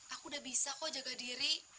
aku udah bisa kok jaga diri